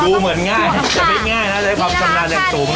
ดูเหมือนง่ายแต่ไม่ง่ายนะในความสำนาญแห่งสูงนะคะ